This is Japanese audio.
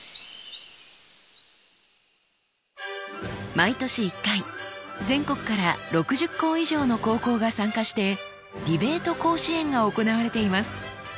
毎年一回全国から６０校以上の高校が参加してディベート甲子園が行われています。